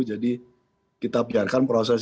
jadi kita biarkan proses